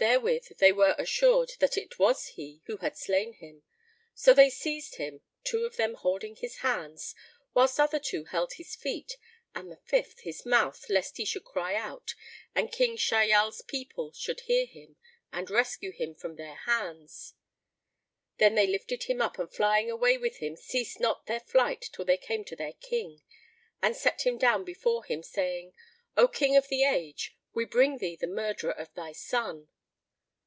Therewith they were assured that it was he who had slain him; so they seized him, two of them holding his hands, whilst other two held his feet and the fifth his mouth, lest he should cry out and King Shahyal's people should hear him and rescue him from their hands. Then they lifted him up and flying away with him ceased not their flight till they came to their King and set him down before him, saying, "O King of the Age, we bring thee the murderer of thy son."